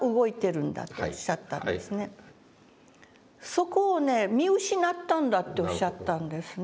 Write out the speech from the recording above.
「そこをね見失ったんだ」っておっしゃったんですね